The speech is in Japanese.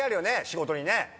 仕事にね。